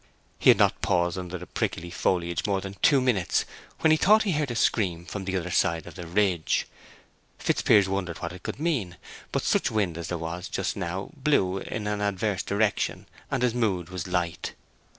He had not paused under the prickly foliage more than two minutes when he thought he heard a scream from the other side of the ridge. Fitzpiers wondered what it could mean; but such wind as there was just now blew in an adverse direction, and his mood was light.